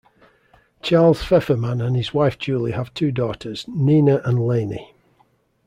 Charles Fefferman and his wife Julie have two daughters, Nina and Lainie.